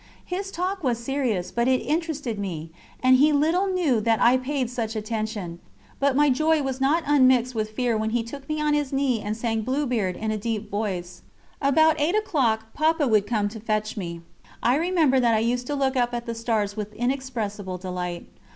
His talk was serious, but it interested me, and he little knew that I paid such attention; but my joy was not unmixed with fear when he took me on his knee and sang "Bluebeard" in his deep voice. About eight o'clock Papa would come to fetch me. I remember that I used to look up at the stars with inexpressible delight.